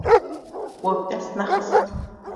We bi dest nexist.